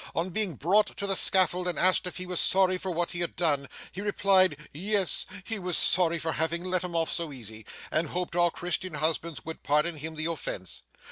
On being brought to the scaffold and asked if he was sorry for what he had done, he replied yes, he was sorry for having let 'em off so easy, and hoped all Christian husbands would pardon him the offence.